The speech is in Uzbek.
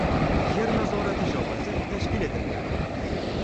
Yer nazorati shoʼbasi tashkil etilgan